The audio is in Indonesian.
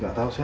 gak tau saya